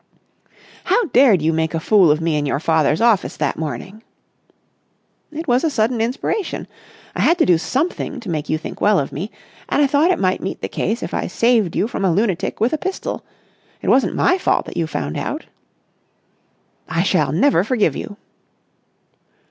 "How dared you make a fool of me in your father's office that morning?" "It was a sudden inspiration. I had to do something to make you think well of me, and I thought it might meet the case if I saved you from a lunatic with a pistol. It wasn't my fault that you found out." "I shall never forgive you!"